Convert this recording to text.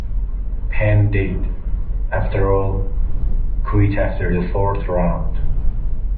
Penn did, after all, quit after the fourth round.